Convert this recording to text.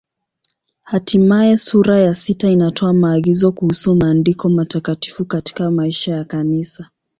Hatimaye sura ya sita inatoa maagizo kuhusu Maandiko Matakatifu katika maisha ya Kanisa.